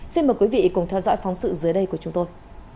xin mời quý vị cùng theo dõi phóng sự dưới đây của chúng tôi